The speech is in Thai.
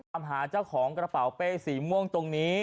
ตามหาเจ้าของกระเป๋าเป้สีม่วงตรงนี้